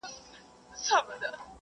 د مېړه يا ترپ دى يا خرپ .